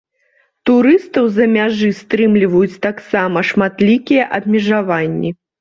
Турыстаў з-за мяжы стрымліваюць таксама шматлікія абмежаванні.